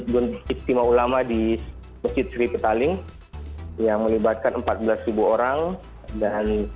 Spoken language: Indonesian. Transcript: dan juga dengan kondisi yang terjadi di sana